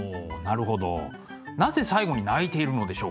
なぜ最後に泣いているのでしょうか？